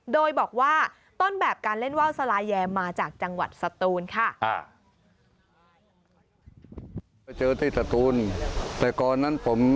โดยบอกว่าต้นแบบการเล่นว่าวสลายแยมมาจากจังหวัดสตูนค่ะ